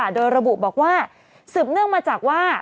โดยระบุบอกว่าสืบเนื่องมาจากว่า